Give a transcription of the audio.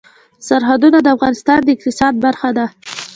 سرحدونه د افغانستان د اقتصاد برخه ده.